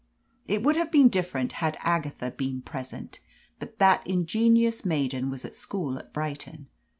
It would have been different had Agatha been present, but that ingenious maiden was at school at Brighton.